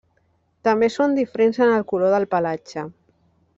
També són diferents en el color del pelatge.